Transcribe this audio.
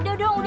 udah dong udah